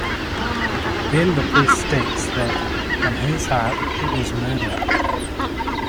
Then the priest states that, in his heart, it was murder.